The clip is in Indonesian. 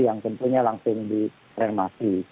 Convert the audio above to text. yang tentunya langsung dikremasi